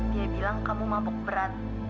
dia bilang kamu mabuk berat